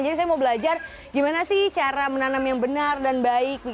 jadi saya mau belajar gimana sih cara menanam yang benar dan baik